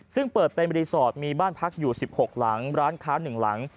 ซึ่งเปิดเป็นรีสอร์ทมีบ้านพักอยู่๑๖หลังร้านค้า๑หลัง